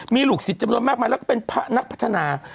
มีลูกศิษย์จำนวนมากมายแล้วก็เป็นพระนักพัฒนา